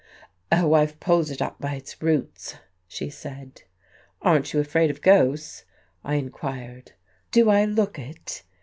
"Oh, I've pulled it up by the roots," she said. "Aren't you afraid of ghosts?" I inquired. "Do I look it?"